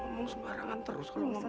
ngomong sembarangan terus